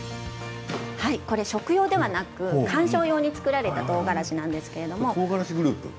これは食用ではなく観賞用に作られたとうがらしなんですけれども。